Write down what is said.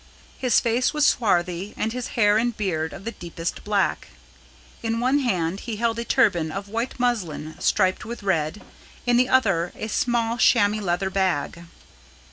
His face was swarthy, and his hair and beard of the deepest black. In one hand he held a turban of white muslin striped with red, in the other a small chamois leather bag.